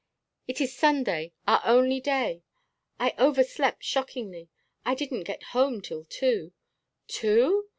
It is Sunday, our only day. I overslept shockingly. I didn't get home till two." "Two?